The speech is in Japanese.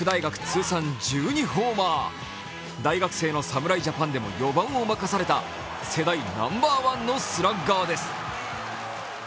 通算１２ホーマー、大学生の侍ジャパンでも４番を任された世代ナンバーワンのスラッガーです。